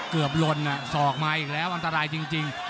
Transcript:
เกือบลนสอกมาอีกแล้วอันตรายจริง